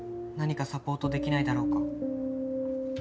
「何かサポートできないだろうか」